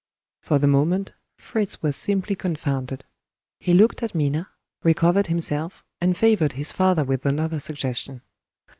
For the moment, Fritz was simply confounded. He looked at Minna recovered himself and favored his father with another suggestion.